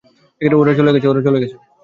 ওরা চলে গেছে!